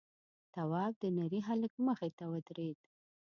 تواب د نري هلک مخې ته ودرېد: